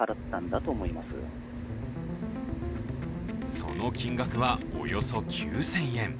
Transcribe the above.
その金額は、およそ９０００円。